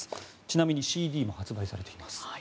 ちなみにＣＤも発売されています。